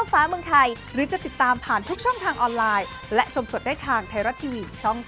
โปรดติดตามตอนต่อไป